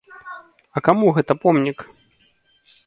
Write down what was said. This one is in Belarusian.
А каму гэта помнік?